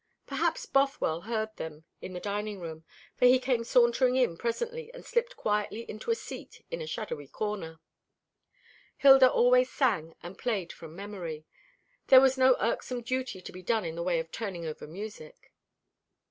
Perhaps Bothwell heard them in the dining room, for he came sauntering in presently, and slipped quietly into a seat in a shadowy corner. Hilda always sang and played from memory. There was no irksome duty to be done in the way of turning over music.